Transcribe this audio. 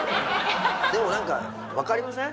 でもなんかわかりません？